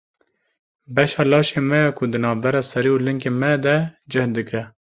Beşa laşê me ya ku di navbera serî û lingên me de cih digire.